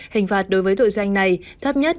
hình phạt đối với tội danh này thấp nhất